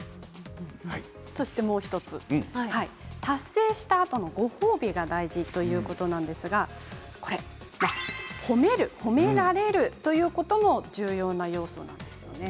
もう１つ達成したあとのご褒美が大事ということなんですが褒める、褒められるということも重要な要素なんですね。